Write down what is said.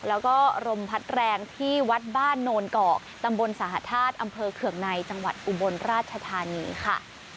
แล้วก็ลมพัดแรงที่วัดบ้านโนนกอกตำบลสหธาตุอำเภอเคืองในจังหวัดอุบลราชธานีค่ะ